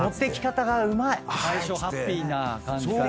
最初ハッピーな感じから。